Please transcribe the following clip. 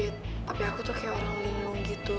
ya tapi aku tuh kayak orang lembong gitu